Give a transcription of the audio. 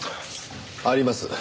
あります。